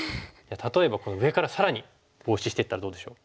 例えば上から更にボウシしていったらどうでしょう。